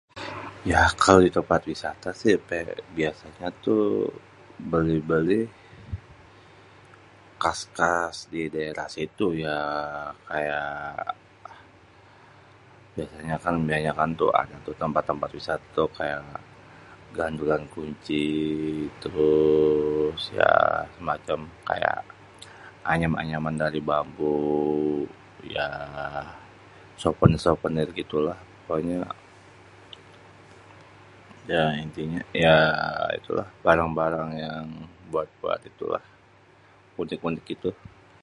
Ya kalo tempat wisata si biasanya tuh beli-beli khas-khas di daerah situ ya kaya biasanyakan ada tuh tempat-tempat wisata tuh kaya gandulan kunci terus ya semacem kaya anyam-anyaman dari bambu yah sopenir-sopenir gitulah pokonya ya intinya ya itulah barang-barang buat buat itulah